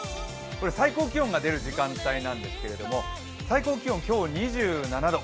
最高気温が出る時間帯なんですけれども最高気温、今日、２７度。